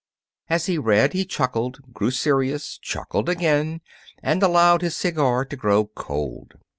As he read he chuckled, grew serious, chuckled again and allowed his cigar to grow cold.